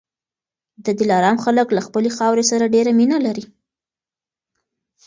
د دلارام خلک له خپلي خاورې سره ډېره مینه لري